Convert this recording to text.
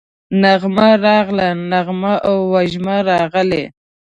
نغمه راغله، نغمه او وژمه راغلې